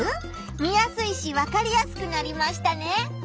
見やすいしわかりやすくなりましたね。